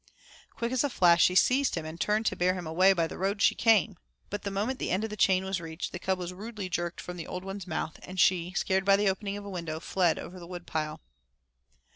Quick as a flash she seized him and turned to bear him away by the road she came. But the moment the end of the chain was reached the cub was rudely jerked from the old one's mouth, and she, scared by the opening of a window, fled over the wood pile.